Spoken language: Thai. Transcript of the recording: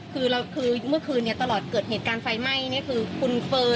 คือเราคือเมื่อคืนนี้ตลอดเกิดเหตุการณ์ไฟไหม้นี่คือคุณเฟิร์น